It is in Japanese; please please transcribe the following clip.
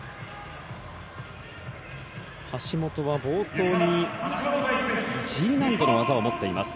橋本は冒頭にＧ難度の技を持っています。